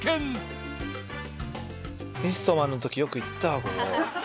ミストマンのときよく行ったわここ。